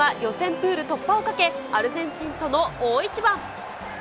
プール突破をかけ、アルゼンチンとの大一番。